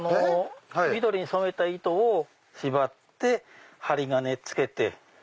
緑に染めた糸を縛って針金つけて。